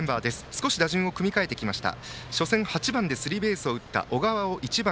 少し打順を組み替えてきました。